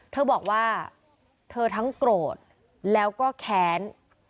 เธอบอกว่าเธอทั้งโกรธแล้วก็แค้น